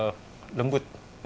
jangan terlalu lembut